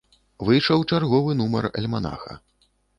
Выйшаў чарговы нумар альманаха.